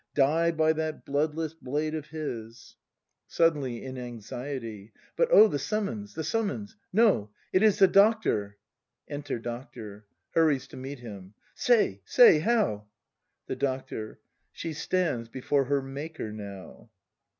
Die by that bloodless blade of his! [Suddenly, in anxiety.] But O the summons! the summons! — No! It is the Doctor! Enter Doctor. [Hurries to meet him.] Say! say! How ? The Doctor. She stands before her Maker now.